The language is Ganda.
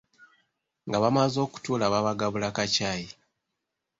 Nga bamaze okutuula, baabagabula ka caayi.